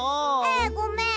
えごめん。